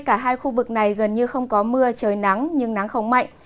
cả hai khu vực này gần như không có mưa trời nắng nhưng nắng không mạnh